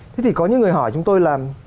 thế thì có những người hỏi chúng tôi là